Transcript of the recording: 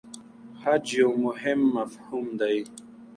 خج یو مهم مفهوم دی.